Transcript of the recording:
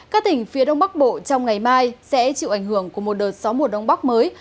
các tỉnh phía đông bắc bộ trong ngày mai sẽ chịu ảnh hưởng của một đợt gió mùa đông bắc mới